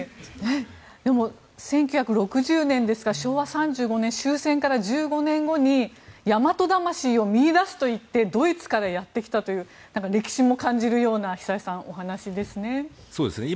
でも、１９６０年ですから昭和３５年、終戦から１５年後に大和魂を見いだすといってドイツからやってくるという歴史も感じるような久江さんお話ですね。